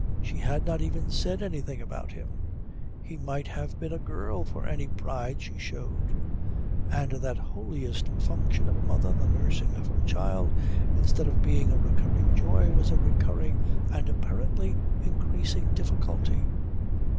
She had not even said anything about him. He might have been a girl for any pride she showed. And that holiest function of a mother, the nursing of her child, instead of being a recurring joy was a recurring and apparently increasing difficulty.